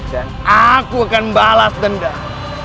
dan aku akan balas dendam